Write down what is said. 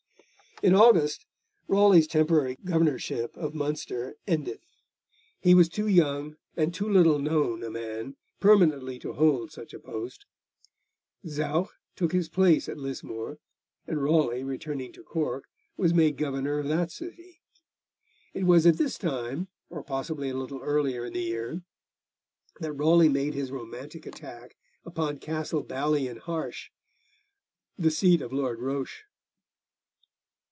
In August, Raleigh's temporary governorship of Munster ended. He was too young and too little known a man permanently to hold such a post. Zouch took his place at Lismore, and Raleigh, returning to Cork, was made Governor of that city. It was at this time, or possibly a little earlier in the year, that Raleigh made his romantic attack upon Castle Bally in Harsh, the seat of Lord Roche.